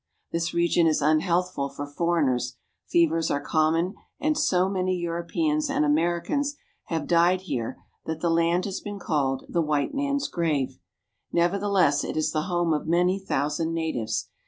This region is unhealthful for foreigners, fevers are common, and so many Europeans and Americans have died here that the land has been called "The White Man's Grave." Nevertheless it is the home of many thousand natives.